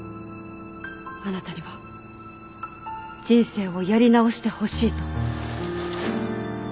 あなたには人生をやり直してほしいと。